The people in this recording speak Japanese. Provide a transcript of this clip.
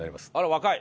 若い。